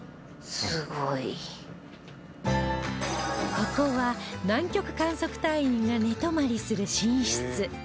ここは南極観測隊員が寝泊まりする寝室